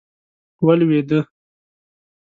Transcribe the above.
ولوېده.